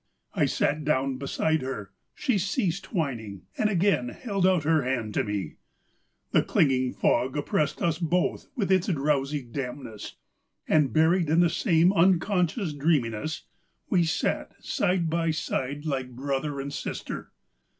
I sat down beside her ; she ceased whining, and again held out her hand to me. The clinging fog oppressed us both with its drowsy dampness ; and buried in the same un 318 POEMS IN PROSE conscious dreaminess, we sat side by side like brother and sister.